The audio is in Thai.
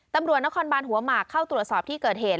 ตำรวจนครบานหัวหมากเข้าตรวจสอบที่เกิดเหตุ